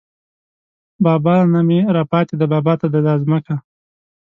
بابا نه مې راپاتې ده بابا ته ده دا ځمکه